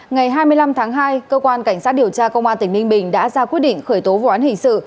ngày hai mươi năm tháng hai cơ quan cảnh sát điều tra công an tỉnh ninh bình đã ra quyết định khởi tố vụ án hình sự